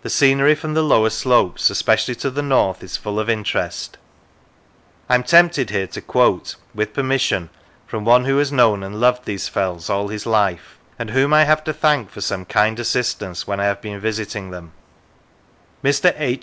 The scenery from the lower slopes, especially to the north, is full of interest. I am tempted here to quote (with permission) from one who has known and loved these fells all his life, and whom I have to thank for some kind assistance when I have been visiting them, Mr. H.